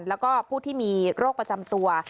แล้วก็ผู้ที่มีโรคประจำตัว